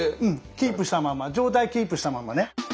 キープしたまま上体キープしたままね。